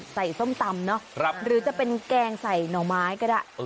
ส้มตำเนอะหรือจะเป็นแกงใส่หน่อไม้ก็ได้